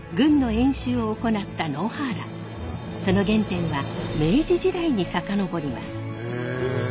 その原点は明治時代に遡ります。